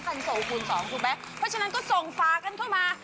ฝาคันโซคูณสองรู้ไหมเพราะฉะนั้นก็ส่งฝากันเข้ามา